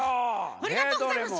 ありがとうございます。